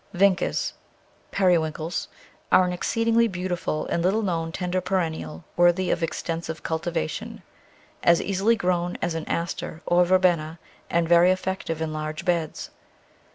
Vincas (Periwinkles) are an exceedingly beautiful and little known tender perennial worthy of extensive cultivation, as easily grown as an Aster or Verbena, and very effective in large beds.